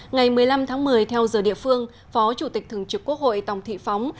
ngày một mươi năm tháng một mươi theo giờ địa phương phó chủ tịch thường trực quốc hội tòng thị phóng